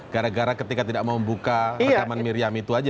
gara gara ketika tidak mau membuka rekaman miriam itu aja